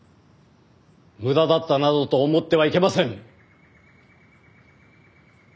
無駄だったなどと思ってはいけません！